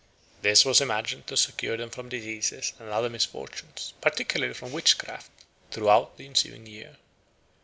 This was imagined to secure them from diseases and other misfortunes, particularly from witchcraft, throughout the ensuing year.